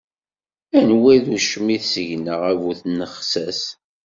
Anwa i d ucmit seg-nneɣ, a bu tnexsas.